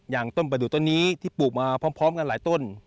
อย่างต้นบะดู่ต้นนี้ที่ปลูกมาพร้อมกับหลายต้น